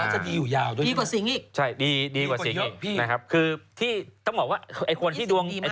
เหรอจะดีอยู่ยาวด้วย